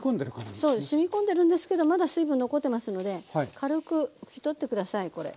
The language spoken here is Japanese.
そうしみこんでるんですけどまだ水分残ってますので軽く拭き取って下さいこれ。